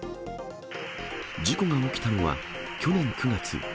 事故が起きたのは去年９月。